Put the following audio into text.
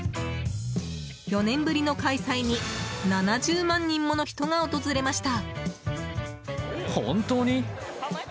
４年ぶりの開催に７０万人もの人が訪れました。